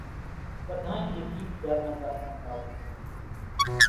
ٻڌانئين نين ڳيت ڳاتان ڳاتان زاوون سي